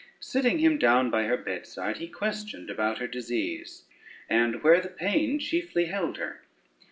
Sitting him down by her bedside, he questioned about her disease, and where the pain chiefly held her?